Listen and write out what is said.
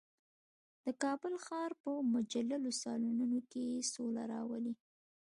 د کابل ښار په مجللو سالونونو کې سوله راولي.